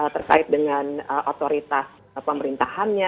terkait dengan otoritas pemerintahannya